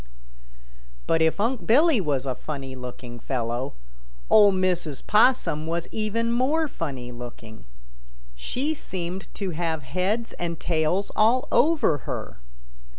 But if Unc' Billy was a funny looking fellow, Ol' Mrs. Possum was even more funny looking. She seemed to have heads and tails all over her.